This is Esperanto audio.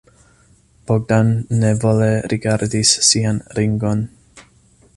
Bogdan nevole rigardis sian ringon.